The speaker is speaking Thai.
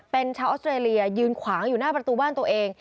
เป็นชาวออสเตรเลียยืนขวางอยู่หน้าประตูบ้านตัวเอง